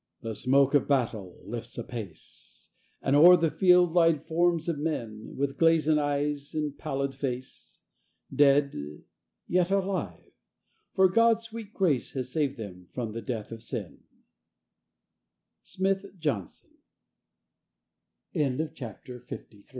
The smoke of battle lifts apace, And o'er the field lie forms of men, With glazen eyes and pallid face Dead yet alive, for God's sweet grace Has saved them from the death of sin. SMITH JOHNSON. XVIII.